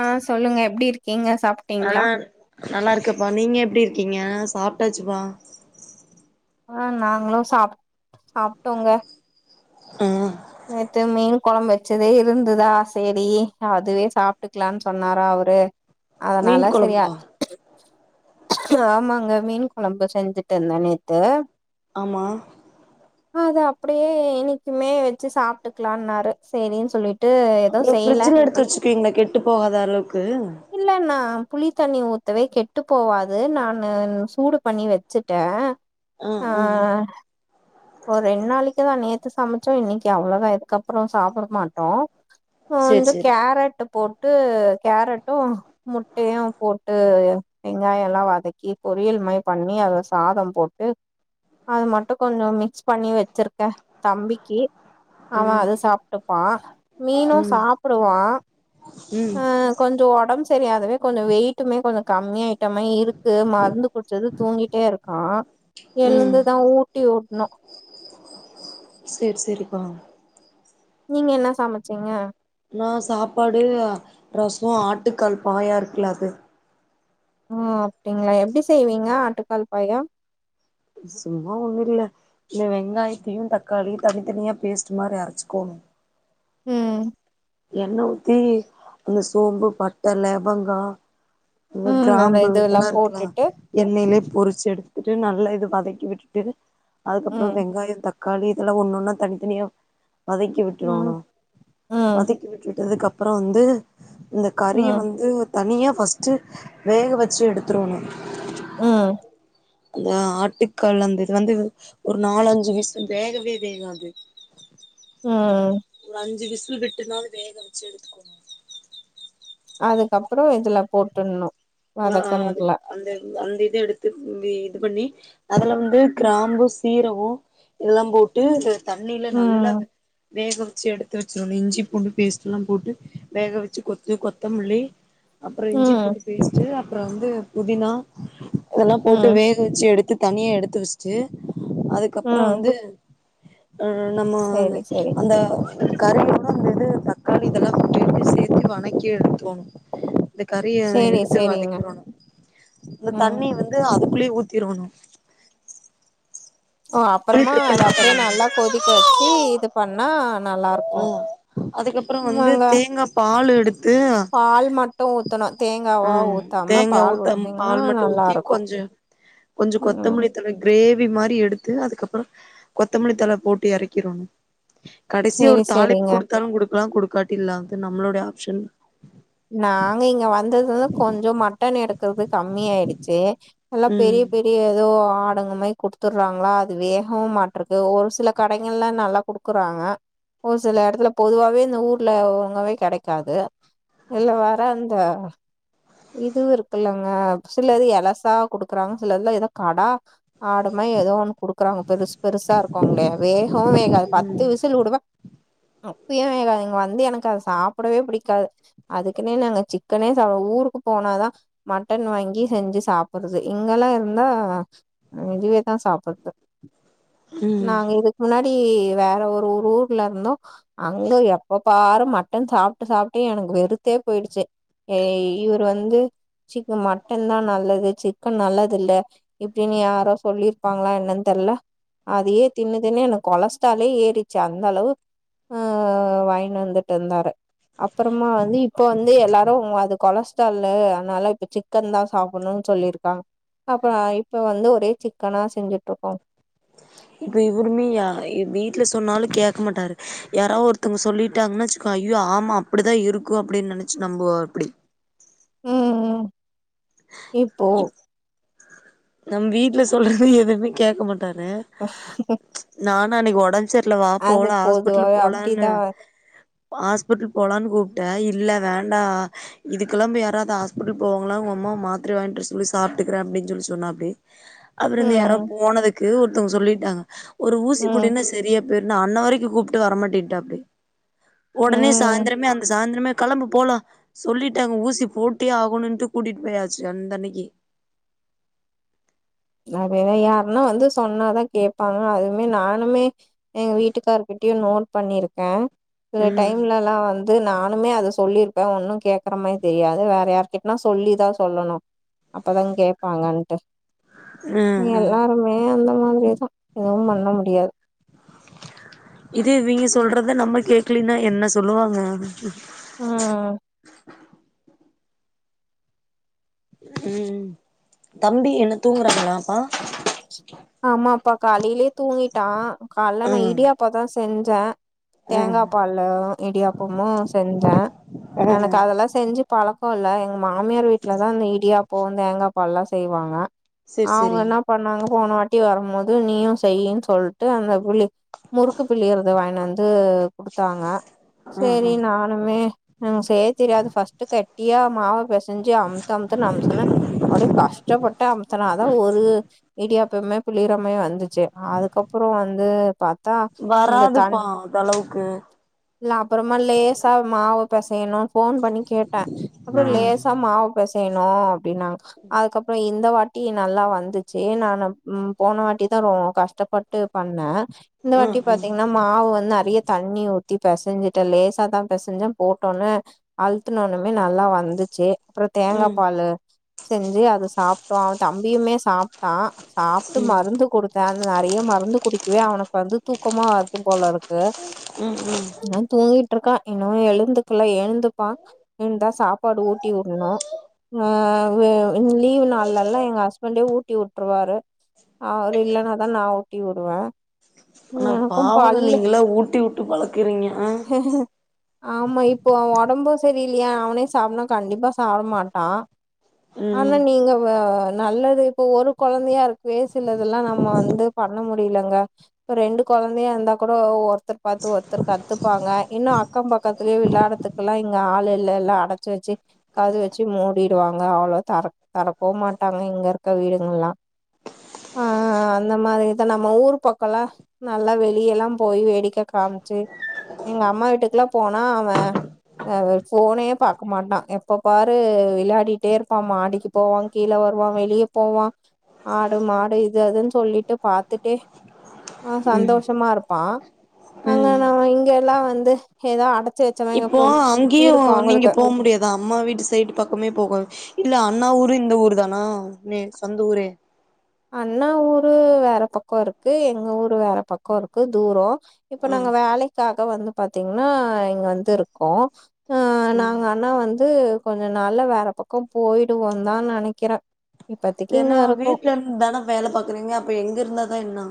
ஆஹ் சொல்லுங்க எப்டி இருக் ஆஹ் நல்லா இருக்கேப்பா நீங்க எப்டி கீங்கா சாப்டாச்சுப்பா ஆஹ் நாங்களும் சாப் சாப்டோங்க ஆ நேத்து மீன் கொழம்பு வெச்சதே இருந்ததா சேரி அதுவே சாப்டுக்கலான்னு சொன்னாரா அவரு மீன் அதனால சேரியா கொழம்பா ஆமாங்க மீன் குழம்பு செஞ்சுட்டு இருந்த நேத்து ஆமா அ அது அப்டியே இன்னிக்குமே ச்சு சாப்டுக்கலாம்னாரு செரின்னு சொல்லிட் அப்புறோ பிரிட்ஜ்ல எடுத்து வெச்சுப்பீங்களா கெட்டு போகாத அளவுக்கு இல்ல நா புளி தண்ணி ஊத்தவே கெட்டு போவாது நானு சூடு பண்ணி வெச்சுட்டே ஆ ஆ ஆஹ் ஒரு ரெண் நாளைக்கு தா நேத்து சமைச்சோ இன்னைக்கு அவ்ளோதா இதுக்கப்புறோ சாப்ட மாட்டோ சேரி வந்து சேரி கேரட் போட் ட்டு கேரட்டு முட்டையு போட்டு வெங்காயோ ல்லா வதக்கி பொரியல் மாரி பண்ணி அத சாதம் போட்டு அது மட்டு கொஞ்சோ மி க்ஸ் பண்ணி வச்சிருக்கே தம்பிக்கு அவ ம் அது சாப்ட்டுப்பா மீனு ம் சாப்புடுவா ம் அ கொஞ்சோ ஒடம் சரியாதவே கொஞ்சோ வெயிட்டுமே கொஞ்சோ கம்மியாயிட்டமே இருக்கு மருந்து குட்ச்சது தூங்கிட்டே இருக்கா ம் எழுந்துதா ஊட்டி உட்ணு செர் செரிப்பா நீங்க என்ன சமச்சீங்க நா சாப்பாடு ரசோ ஆட்டுக்கால் பாயா இருக்குல அது ஒ அப்டிங்ளா எப்டி செ ய்வீங்க ஆட்டுக்கால் பாயா சும்மா ஒண்ணு இல்ல இல்ல வெங்காயத்தையு தக்காளியு தனித்தனியா பேஸ்ட் மாரி அரைச்சிக்கோங் ம் எண்ண ஊத்தி அந்த சோம்பு பட்ட லவங்கோ [unintelligible] ம் அந்த கிராம்பு இதெல்லா இருக்குல போட்டுட்டு எண்ணெயிலே பொறிச்சு எடுத்துட்டு நல்லா இது வதக்கி விட்டுட்டு அதுக்கப்புறோ ம் வெங்காயோ தக் காளி இதெல்லா ஒண்ணொன்ன தனித்தனியா வதக்கி ம் விட்ரோணு ம் விட்டதுக் அப்றோ வந்து இந்த கறிய ம் வந்து தனிய ஃபஸ்ட்டு வேக வச்சு எடுத்துட்ரோணு ம் அந்த ஆட்டுக்கால் அந்த இது வந்து ஒரு நாலஞ்சு விசில் வேகவே வேகாது ம் ம் ஒரு அஞ்சு விசில் விட்டுனால வேக வெச்சு எடுத்துக்கோங்க அதுக்கப்புறோ இதுல போட்டுற்ணு ஆ ஆ அது வதக்கன்ல அந்த அந்த இத எடுத்து ம் இது பண்ணி அதுல வந்து ம் கிராம்பு சீரக இதெல்லா போட்டு தண்ணில நல்லா ம் வேக வெச்சு எடுத்து வச்சிடணு இஞ்சி பூண்டு பேஸ்ட்லா போட்டு வேக வெச்சு கொத்து கொத்தமல்லி அப்பறோ ம் இஞ்சிபூண்டு பேஸ்ட் அப்றோ வந்து புதினா இதெல்லா போட்டு வேக வெச்சு எடுத்து தனியா எடுத்து வெஷ்ட்டு அதுக்கப்புறோ ம் வந்து அ நம்மோ சேரி சேரி அந்த அந்த கறியோட அந்த இது தக்காளி இதெல்லா கூட்டிட்டு சேர்த்து வணக்கி எடுத்துக்கோங்க இந்த கறிய சேரி எ சேரிங்க வதைக்கிறனும் இந்த ம் தண்ணி வந்து அதுக்குள்ளயே ஊத்திரோணும் ஓ அப்புறமா அது அப்படியே நல்லா கொதிக்க வச்சு இது பண்ணா நல்லாருக்கு ஆஹ் அதுக்கப்புறம் வந்து ஆமாங்க தேங்கா பால் எடுத்து பால் மட்டு ஊத்தணு தேங்காவா உஹ் ஊத்தாம தேங்கா பால் ஊத்த ஊத்துனீங்கன்னா பால் மட்டும் ஊத்தி நல்லாருக்கு கொஞ்சம் கொஞ்சம் ம் கொத்தமல்லித்தழை கிரே வி மாதிரி எடுத்து அதுக்கப்புறம் கொத்தமல்லி தழை போட்டு எறக்கிறணும் கடைசியா ஒரு சேரி தாளிப்பு சேரிங்க குடுத்தாலும் குடுக்கலாம் கொடு காட்டில்லா அது நம்மளோடைய ஆப்ஷன் நாங்க இங்க வந்ததுலயிருந்து கொஞ்சம் மட்டன் எடுக்கறது கம்மி ஆயிடுச்சு எல்லாம் ம் பெரிய பெரிய ஏதோ ஆடுங்க மாதிரி குடுத்துடுறாங்களா அது வேகவும் மாட்டேறது ஒரு சில கடைகள்லாம் நல்லா குடுக்குறாங்க ஒரு சில இடத்துல பொதுவாவே இந்த ஊர்ல ஒழுங்காவே கிடைக்காது இல்ல வேற அந்த இதுவும் இருக்குல்லங்க சில இது எலசா குடுக்குறாங்க சில இதுல ஏதோ கடா ஆடுமே ஏதோ ஒண்ணு குடுக்குறாங்க பெருசு பெருசா இருக்கும்ங்களா வேகவும் வேகாது பத்து விசில் விடுங்க அப்பயேவேகாதுங்க வந்து எனக்கு அதை சாப்பிடவே பிடிக்காது அதுக்குனே நாங்க சிக்கனே சா ஊருக்கு போனாதான் மட்டன் வாங்கி செஞ்சு சாப்பிடுறது இங்கெல்லாம் இருந்தா இதுவே தான் சாப்பிடுறது ம் நாங்க இதுக்கு முன்னாடி அடி வேற ஒரு ஊர் ஊர்ல இருந்தோம் அங்க எப்ப பாரு மட்டன் சாப்பிட்டு சாப்பிட்டே எனக்கு வெ- வெறுத்தே போயிடுச்சு இவர் வந்து சீ மட்டன் தான் நல்லது சிக்கன் நல்லது இல்ல இப்படின்னு யாரோ சொல்லிருப்பாங்களா என்னன்னு தெரியல அதே தின்னு தின்னு எனக்கு கொலஸ்ட்ராலே ஏறிருச்சு அந்த அளவு வாங்கினு வந்துட்டு இருந்தாரு அப்புறமா வந்து இப்ப வந்து எல்லாரும் அது கொலஸ்ட்ரால்லு அதனால இப்ப சிக்கன் தான் சாப்பிடணும்ன்னு சொல்லிருக்காங்க அப்பறம் இப்ப வந்து ஒரே சிக்கனா செஞ்சுட்டு இருக்கோம் இப்ப இவருமேயா வீட்டுல சொன்னாலும் கேட்க மாட்டாரு யாரோ ஒருத்தவங்க சொல்லிட்டாங்கன்னு வச்சுக்கோ ஐயோ ஆமா அப்படிதான் இருக்கும் அப்படின்னு நினைச்சு நம்புவாப்படி உம் உம் இப்போ நம் வீட்ல சொல்றது எதுவுமே கேட்க மாட் டாரு நான் நா இன்னைக் ஒடஞ் சேர்ல வா அது போகலா ஹாஸ்பிட்லு பொதுவாவே போலான்னு அப்டிதா ஹாஸ்பிட்லு போலான்னு கூப்ட்டேன் இல்லே வேண்டாம் இதுக்கெலா போய் யாராவது ஹாஸ்பிட்லு போவாங்களா உங்க அம்மாவ மாத்ர வாங்கிட்டு வரச்சொல்லு சாப்பிட்டுகறேன் அப்டின்னு சொல்லி சொன்னாப்டி அப்புறம் இருந்து யாரோ ம் போனதுக்கு எதோ ஒருத்தவங்க சொல்லிட்டாங்க ஒரு ஊசி ம் போட்டீனா சரியாப் போயிருனா அன்ன வரைக்கும் கூப்ட்டு வர மாட்டேன்ட்டாப்டி உடனே ம் சாய்ந்திரமே அந்த சாய்ந்திரமே கிளம்பு போலாம் சொல்லிட்டாங்க ஊசி போட்டே ஆகணுன்ட்டு கூட்டிட்டுபோயாச்சு அந்த அன்னைக்கி அ யாருனா வந்து சொன்னாதா கேப்பாங்க அதுமே நானுமே எங்க வீட்டுக்கார்கிட்டியும் நோட் பண்ணிருக்கேன் சில ம் டைம்லே எல்லாம் து அது நானுமே அது சொல்லிருப்பே ஒண்ணுமே கேக்கற மாதிரிதெரியாது வேற யாருகிட்டனா சொல்லிதான் சொல்லணும் அப்பதாங் கேப்பாங்கன்ட்டு ம் ம் எல்லாருமே இல்ல ஒர் மாதுரியேதா எதுவு பண்ண முடியாது இது இவிங்க ம் சொல்றத நம்ம கேக் க்ளீனா என்ன சொல்லுவாங்க ம். ம் தம்பி என்ன தூங்குறாங்களாப்பா ஆமாப்பா காலைலே தூங்கிட்டா கால்ல ஆ நா இடியாப்பதா செஞ்ச ஆ தேங்கா பால்ல இடியாப்பமு செஞ்ச ஆ ஆ எனக்கு அதலா செஞ்சு பழக் இப்போல்ல எங்க மாமியார் வீட்லதா இந்த இடியாப்ப தேங்காப்பால்லெலா செய்வாங்க செரி அவுங்க செரி என்ன பண்ணாங்க போன வா போன வாட்டி வரும்போது நீயும் செய்ன்னு சொல்லிட்டு அந்த புழி முறுக்கு புழியரது வாங்கியாந்து வந்து குடுத்தாங்க ஆ சரி ஆ நானுமே ம் செய்ய தெரியாது ஃபர்ஸ்ட்டு கட்டியா மாவு பெசஞ்சு அம்த்து அம்த்துனு அமுத்ன அப்டியே கஷ்டப்பட்டு அம்த்துனாதா ஒரு இடியாப்பமே புளிரமே வந்துச்சு அதுக்கப்றம் வந்து பா த்தா வந்து தண் வராதுப்பா அந்தளவுக்கு இல்ல அப்றமா லேசா மாவு பெசையனு போன் பண்ணி கேட்டே அப்றம் ம் லேசா மாவு பெச செய்யணும் அப்டினாங்க அதுக்கப்றம் இந்த இந்த வாட்டி நல்லா வந்துச்சு நானு ம் போன வாட்டி தான் ரொ கஷ்டப்பட்டு பண்ணே இந்த ம் வாட்டி ம் பாத்தீங்ன்னா மாவு வந்து நிறைய தண்ணி ஊத் ஊத்தி பெசைஞ்சிட்டேன் லேசா தான் பெசைஞ்சன் போட்டோன்னே அழுத்துனோன்னுமே நல்லா வந்துச்சு அப்புறம் தேங்கா ம் பாலு செஞ்சு அத சாப்டோ அவ தம்பியுமே சாப்ட்டா சா ப்ட்டு ம் மருந்து குடுத்தே நெறைய மருந்து குடிக்கவே அவனுக்கு வந்து தூக்கமா வருது போலருக் கு ம் ம் தூங்கி ட்ருக்கா இன்னு எழுந்துக்குல எ ழுந்துப்பா எழுந்தா சாப் பாடு ஊட்டிவுடனு அ லீவ் நாள்லலா எங்க ஹஸ்பண்டே ஊட்டி வுட்ருவாரு அவரு இல்லனாதா நா ஊட்டி உடுவ ஆனா பாவங்க நீங்கல்லா ஊட்டி உட்டு பழக்குறீங்க ஆ ஆமா இப்போ அவ ஒடம்பூ சரியில்லயா அவனே சாப்ன்னா கண்டிப்பா சாப்ட மாட்டா ஆனா ம் நீங்க வ நல்லது இப்போ ஒரு கொழந்தயா இருக்கப் பயே சிலதுல்லா நம்ம வந்து பண்ண முடிலங்க இப்ப ரெண்டு கொழந்தயா இருந்தா கூட ஒருத்தர் பாத்து ஒருத்தர் கத்துப்பாங்க இன்னூ அக்கம் பக்கத்துலயே வெளாடத்துக்கலா இங்க ஆளே இல்ல எல்லா அடச்சி வச்சி கதவெச்சி மூடிடுவாங்க அவ்ளோ தற தறக்கவூ மாட்டாங்க இங்கருக்க வீடுங்கில்லா ஆ அந்த மாரிதா நம்ம ஊர் பக்கோலா நல்லா வெளியல்லா போய் வேடிக்க காம்ச்சி எங்கம்மா வீட்டுக்கெல்லா போனா அவ ஆ ஃபோனே பாக்க மாட்டா எப்ப பாரு வெளாடிட்டேருப்பா மாடிக்கு போவா கீழ வருவா வெளிய போவா ஆடு மாடு இது அதுன் சொல்லிட்டு பாத்துட்டே ஆ ம் சந்தோஷமாருப் பா ம் ல்லா வந்து ஏதோ அடத் இப்போ அங்கயூ நீங்க போமுடியாதா அம்மா வீட்டு சைடு பக்கமே போக இல்ல அண்ணா ஊரு இந்த ஊரு தானா நெ சொந்த ஊரே அண்ணா ஊரு வேற பக்கோ இருக்கு எங்க ஊரு வேற பக்கோ இருக்கு தூரோ இப்ப ஆ நாங்க வேலைக்காக வந்து பாத்தீங்ன்னா இங்க வந்துருக்கோ ஆ ம் நாங்க ஆனா வந் து கொஞ்சோ நாள்ல வேற பக்கோ போயிடுவோந்தா நெனைக்கிறே இப்பதைக்கி ஏன்னா இங்க இருக்கோ வீட்ல இருந்து தான வேல பாக்குறீங்க அப்ப எங்க இருந்தாதா என்னா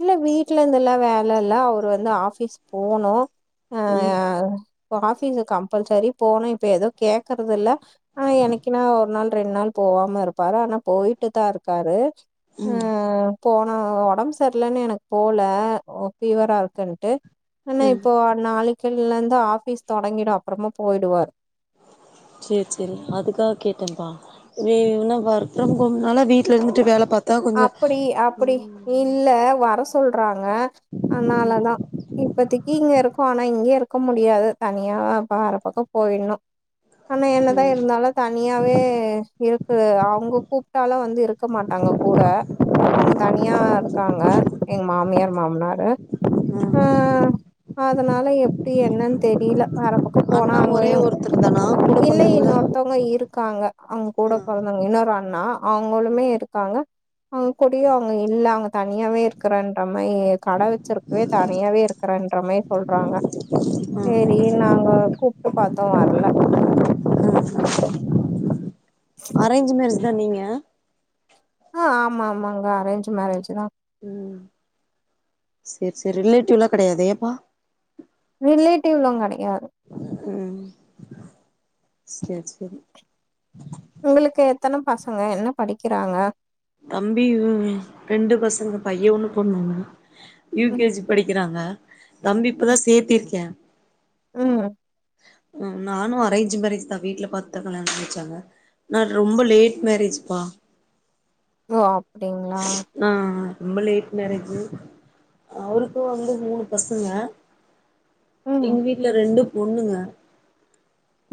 இல்ல வீட்லருந்தல்லா வேலல்ல அவரு வந்து ஆஃபிஸ் போணூ ம் ஆஃபீஸ் கம்பல்சரி போணூ இப்ப ஏதோ கேக்குறதில்ல ஆனா என்னைக்குன்னா ஒரு நாள் ரெண்டு நாள் போவாம இருப்பாரு ஆனா போயிட்டு தா இருக்காரு ம் போன ஒடம்ப் ஸ் சர்லன்னு எனக்கு போல ஒ ஃபீவரா இருக்குன்ட்டு ஆனா ம் இப்போ நாளைக் கில்லேந்து ஆஓபீஸ் தொடங்கிடூ அப்றமா போய்டுவார் சேர் செரி அதுக்காக கேட்டேம்ப்பா நீ என்ன வர்க் ஃப்ரம் ஹோம்னால வீட்லருந்துட்டு வேல பாத் அப்டி அப்டி இல்ல வரஸ் சொல்றா ங்க அத்னால தா இப்பத்தைக்கு இங்க இருக்கோ ஆனா இங்கயே இருக்க முடியாது தனியா வேற பக்கோ போயிட்ணூ ஆனா என்னதா இருந்தாலூ தனியாவே இருக் அவ்ங்க கூப்டாலூ வந்து இருக்க மாட்டாங்க கூட அவுங்க தனியா இருக்காங்க எங்க மாமியார் மாமனாரு ஆ அத்னால எப்டி என்னன் தெரில வேற பக்கோ போனா அண்ணா ஒரே அங்கயூ ஒருத்தர் தானா கூட இல்ல பொறந்தவங்கள்ல இன்னொருத்தங்க இருக் காங்க அவ்ங்க கூட ஆ பிறந்தவங் இன்னொரு நா அவ்ங்களுமே இருக்காங்க அவங்க குடியு அவங்க இல்ல அவங்க தனியாவே இருக்றேன்ற மாரி கடை வச்சிருக்கவே தனியாவே இருக்றேன்ற மாதிரி சொல்றாங்க ஆ சேரி நாங்க கூப்ட்டு பாத்தோ வரல அரேஞ்ச் மேரெஜ் தா நீங்க ஆ ஆமா ஆமாங்க அரேஞ்ச் மேரேஜ் தா ம் சேரி சேரி ரிலேட்டிவ் லா கிடையாதே ஏப்பா ரிலேட்டிவ்லா கிடையாது உம் செரி செர் உங்களுக்கு எத்தன பசங்க என்ன படிக்றாங்க தம்பி ரெண்டு பசங்க பய ஒன்னு பொண்ணு ஒன்னு யூ கே ம் ஜி படிக்றாங்க தம்பி இப்பதா சேத்திருக்கே உம் நானு அரேஞ்ச் மேரேஜ் தா வீட்ல பாத்து தா கல்யாணம் பண்ணி வச்சாங்க நா ரொம்ப லேட் மேரேஜ் மா ஒ அப் அப்டிங்ளா ரொம்ப லேட் மேரேஜு அவருக்கு வந்து மூணு பசங்க ம் எங்க வீட்ல ரெண்டு ஒண்ணுங்க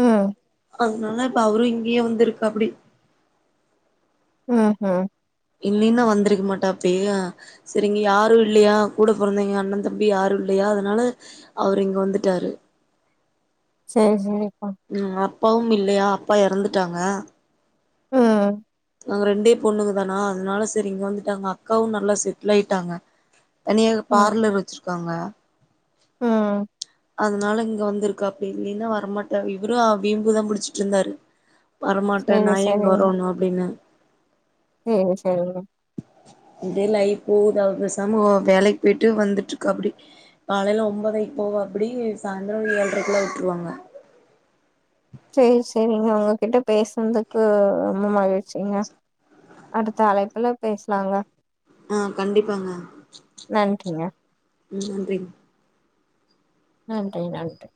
ம் அதனால இப்ப அவரு இங்கேயே வந்து இருக்காப்டி உம் உம் இல்லைனா வந்திருக்க மாட்டாப்டி செரி இங்க யாரு இல்லயா கூட பெறந்தவங்க அண்ணன் தம்பி யாரு இல்லையா அதனால அவரு இங்க வந்துடாரு செரி செரி ம் ஆ ப்பாவு இல்லயா அப்பா எறந்துட்டாங்க ம் நாங்க ரெண்டே பொண்ணுங்க தானா அதனால செரி இங்க வந்துட்டாங்க அக்காவு நல்லா செட்டில் ஆய்ட்டாங்க தனியாக பார்லர் வச்சிரு ருக்காங்க ஹ அதனால இங்க வந்திருக்காப்டி இல்லின்னா வரமாட்டா இவரு வீம்புதா புடிச்சிட்டு இருந்தாரு வரமாட்ட சேரி நா எங்க சேரிங்க வரணு அப்டின்னு சேரி சேரிங்க அப்டி லைப் போகுது அவ பேசாம அவ வேலைக்கு போய்ட்டு வந்துட்டு இருக்காப்டி காலைல ஒன்பதைக்கு போவாப்டி சாய்ந்திரம் ஏழ்ரைக்குள்ள விட்டுருவாங்க சரி சேரிங்க உங்ககிட்ட பேசுதுக்கு ரொம்ப மகிழ் சிங்க அடுத்த அழைப்புல பேஸ்லாங்க ஆ கண்டிப்பாங்க நன்றிங்க ம் நன்றி நன்றி நன்றி